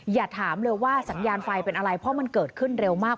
อย่าถามเลยว่าสัญญาณไฟเป็นอะไรเพราะมันเกิดขึ้นเร็วมาก